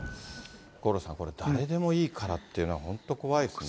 五郎さん、これ、誰でもいいからっていうのは、本当怖いですね。